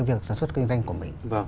việc sản xuất kinh doanh của mình